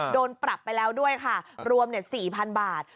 โดนปรับไปแล้วด้วยค่ะรวม๔๐๐๐บาท